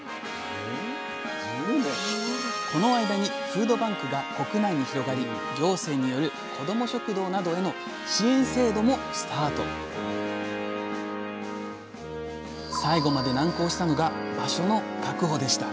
この間にフードバンクが国内に広がり行政による子ども食堂などへの支援制度もスタート最後まで難航したのが場所の確保でした。